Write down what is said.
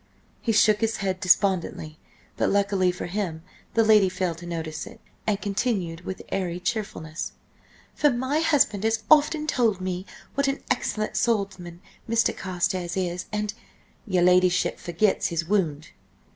He shook his head despondently, but luckily for him the lady failed to notice it, and continued with airy cheerfulness: "For my husband has often told me what an excellent swordsman Mr. Carstares is, and—" "Your ladyship forgets his wound."